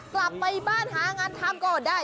กลับไปบ้านหางานทำก็ได้